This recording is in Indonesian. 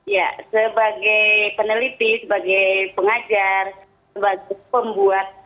ya sebagai peneliti sebagai pengajar sebagai pembuat